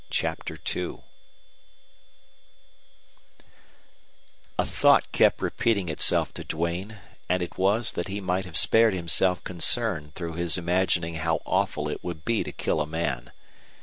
CHAPTER II A thought kept repeating itself to Duane, and it was that he might have spared himself concern through his imagining how awful it would be to kill a man.